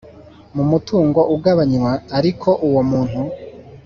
mu mutungo ugabanywa ariko uwo muntu